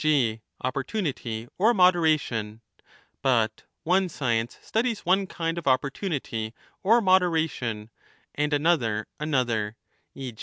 g. opportunity or moderation ; but one science studies one kind of oppor tunity or moderation, and another another: e.